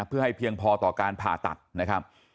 เพื่อให้เพียงพอต่อการผ่าตัดนะครับ